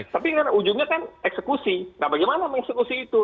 tapi kan ujungnya kan eksekusi nah bagaimana mengeksekusi itu